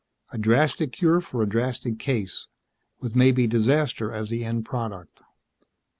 "A drastic cure for a drastic case. With maybe disaster as the end product."